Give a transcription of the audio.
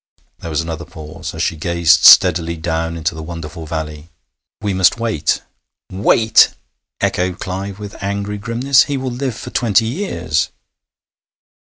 There was another pause, as she gazed steadily down into the wonderful valley. 'We must wait.' 'Wait!' echoed Clive with angry grimness. 'He will live for twenty years!'